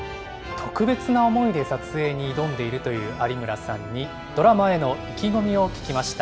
特別な思いで撮影に挑んでいるという有村さんに、ドラマへの意気込みを聞きました。